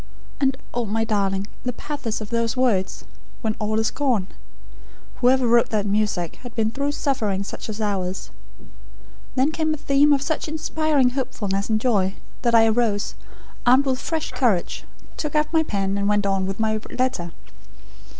'" "And oh, my darling, the pathos of those words, 'when all is gone'! Whoever wrote that music, had been through suffering such as ours. Then came a theme of such inspiring hopefulness and joy, that I arose, armed with fresh courage; took up my pen, and went on with my letter.